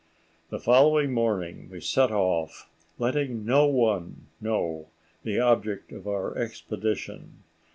The following morning we set off, letting no one know the object of our expedition.